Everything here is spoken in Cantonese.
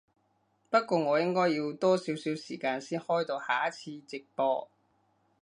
不過我應該要多少少時間先開到下一次直播